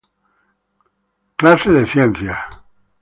Classe des sciences".